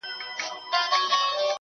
ځکه چي ماته يې زړگی ويلی